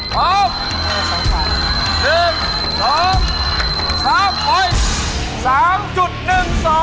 พร้อม